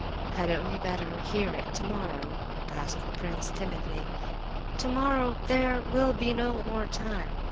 "Hadn't we better hear it tomorrow?" asked the prince timidly. "Tomorrow 'there will be no more time!